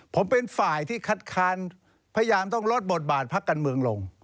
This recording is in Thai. ผมเป็นฝ่ายที่คัดค้านพยายามต้องลดบทบาทพักการเมืองลง